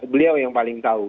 beliau yang paling tahu